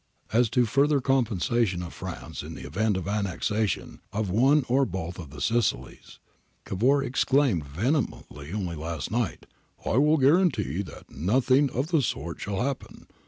As to further compensation to France in the event of annexation of one or both of the Sicilies,' ... Cavour ' exclaimed vehemently only last night— "/ will guarantee that nothing of the sort shall happen.